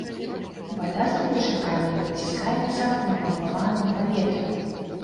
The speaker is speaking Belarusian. Вада з рабочай камеры выціскаецца напампаваным паветрам.